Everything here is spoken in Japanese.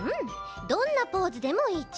どんなポーズでもいいち。